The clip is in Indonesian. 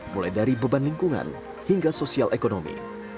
mulai dari beban lingkungan hingga sosial ekonomi